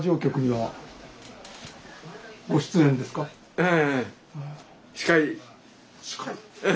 ええ。